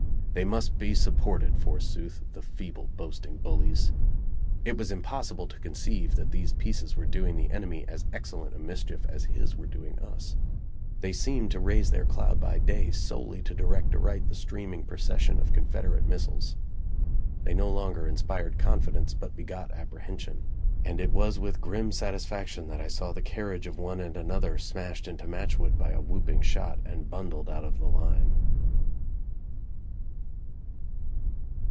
They must be supported, forsooth, the feeble, boasting bullies! It was impossible to conceive that these pieces were doing the enemy as excellent a mischief as his were doing us; they seemed to raise their "cloud by day" solely to direct aright the streaming procession of Confederate missiles. They no longer inspired confidence, but begot apprehension; and it was with grim satisfaction that I saw the carriage of one and another smashed into matchwood by a whooping shot and bundled out of the line.